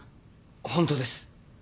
本当です。